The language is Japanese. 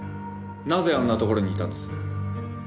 なぜあんなところにいたんです？